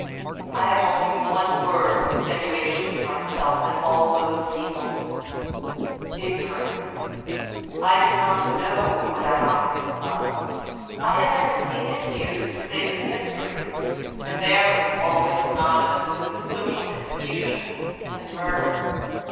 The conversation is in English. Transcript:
I have only one word of extenuation for myself and all those people — ^ignorance. I did not know what Anarchism was. I had never seen it used save in histories, and there it was always synonymous with social confusion and mur der.